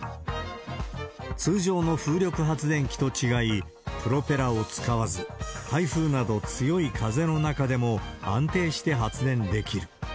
通常の風力発電機と違い、プロペラを使わず、台風など強い風の中でも安定して発電できる。